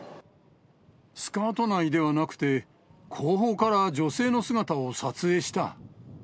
スカート内ではなくて、後方から女性の姿を撮影した。